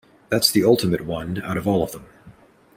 That's the ultimate one out of all of them.